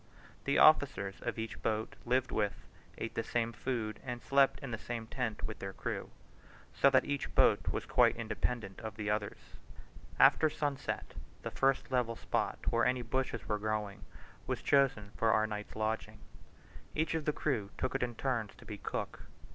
The officers of each boat lived with, ate the same food, and slept in the same tent with their crew, so that each boat was quite independent of the others. After sunset the first level spot where any bushes were growing, was chosen for our night's lodging. Each of the crew took it in turns to be cook.